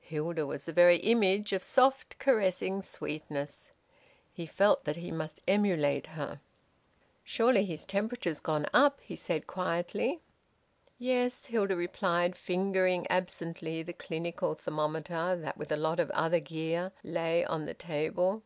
Hilda was the very image of soft caressing sweetness. He felt that he must emulate her. "Surely his temperature's gone up?" he said quietly. "Yes," Hilda replied, fingering absently the clinical thermometer that with a lot of other gear lay on the table.